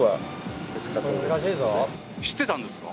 知ってたんですか？